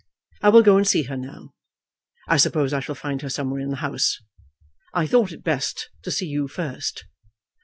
I will go and see her now. I suppose I shall find her somewhere in the house. I thought it best to see you first."